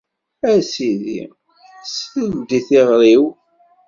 A Sidi, sel-d i tiɣri-w!